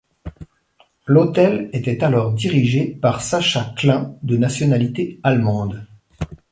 L'hôtel était alors dirigé par Sascha Klein, de nationalité allemande.